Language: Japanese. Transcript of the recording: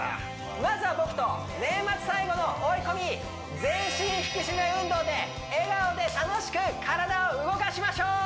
まずは僕と全身引き締め運動で笑顔で楽しく体を動かしましょう！